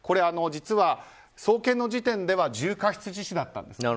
実は送検の時点では重過失致死だったんです。